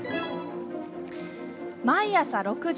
毎朝６時。